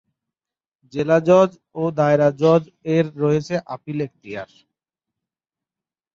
জেলা জজ ও দায়রা জজ এর রয়েছে আপিল এখতিয়ার।